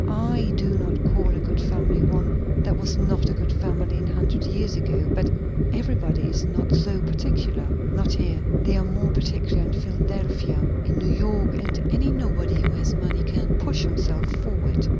I do not call a good family one that was not a good family a hundred years ago; but everybody is not so particular. Not here. They are more particular in Philadelphia. In New York, any nobody who has money can push himself forward."